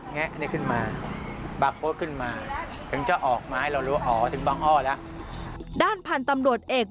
เนี่ยขึ้นมา